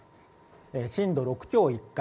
震度６強、１回。